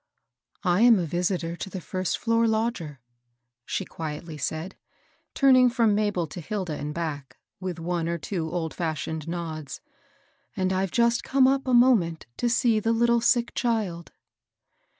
" I am visitor to the first floor lodger," she qui etly said, turning from Mabel to Hilda and back, with one or two old &shioned nods, ^^ and I've just come up a moment to see the little sick child."